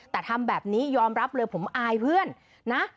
แต่ทำแบบนี้ยอมรับเลยผมอายเพื่อนนะ